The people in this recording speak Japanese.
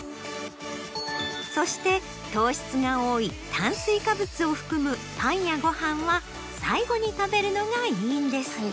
そして糖質が多い炭水化物を含むパンやご飯は最後に食べるのがいいんです。